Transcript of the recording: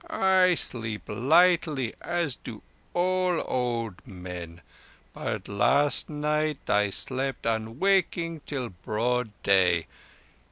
"I sleep lightly, as do all old men; but last night I slept unwaking till broad day.